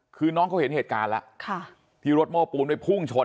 คือน้องเขาเห็นเหตุการณ์แล้วที่รถโม้ปูนไปพุ่งชน